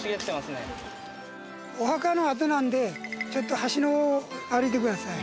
お墓の跡なんでちょっと端の方を歩いてください。